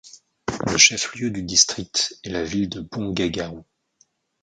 Le chef-lieu du district est la ville de Bongaigaon.